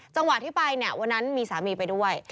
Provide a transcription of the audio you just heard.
จังหวะที่ไปเนี่ยวันนั้นมีสามีไปด้วย